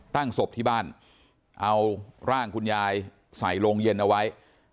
ตั้งศพที่บ้านเอาร่างคุณยายใส่โรงเย็นเอาไว้